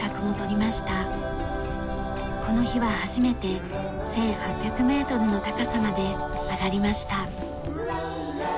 この日は初めて１８００メートルの高さまで上がりました。